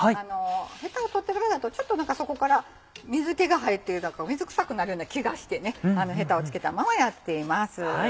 ヘタを取ってからだとちょっとそこから水気が入って水臭くなるような気がしてねヘタを付けたままやっています。